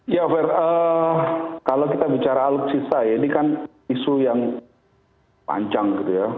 ya kalau kita bicara alutsista ini kan isu yang panjang